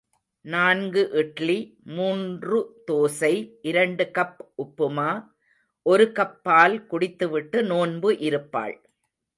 நான்கு இட்லி, மூன்று தோசை, இரண்டு கப் உப்புமா, ஒரு கப் பால் குடித்து விட்டு நோன்பு இருப்பாள்.